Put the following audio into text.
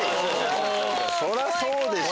そりゃそうでしょう。